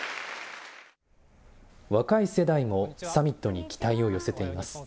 若い世代もサミットに期待を寄せています。